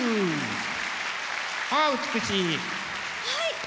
はい！